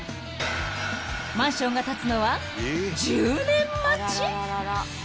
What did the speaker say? ［マンションが建つのは１０年待ち？］